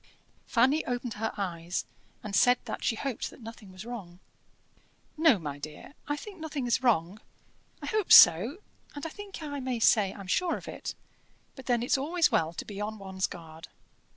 Fanny opened her eyes, and said that she hoped that nothing was wrong. "No, my dear, I think nothing is wrong: I hope so, and I think I may say I'm sure of it; but then it's always well to be on one's guard."